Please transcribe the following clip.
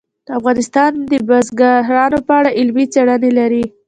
افغانستان د بزګان په اړه علمي څېړنې لري.